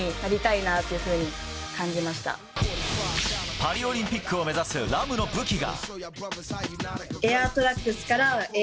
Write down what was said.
パリオリンピックを目指すＲＡＭの武器が。